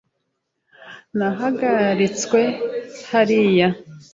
Nahagaritswe hariya .